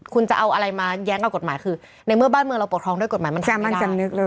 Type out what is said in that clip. คุณจะเอาอะไรมาแย้งเอากฎหมายคือในเมื่อบ้านเมืองเราปกครองด้วยกฎหมายมันสำนึกเลย